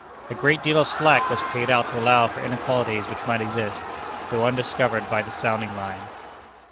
A great deal of slack was paid out to allow for inequalities which might exist, though undiscovered by the sounding line."